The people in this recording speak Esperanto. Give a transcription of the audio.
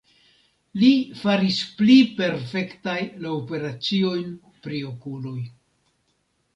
Li faris pli perfektaj la operaciojn pri okuloj.